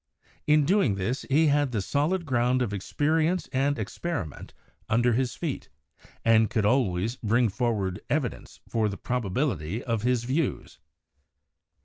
In doing this he had the solid ground of experience and experiment under his feet, and could always bring forward evidence for the probability of his views.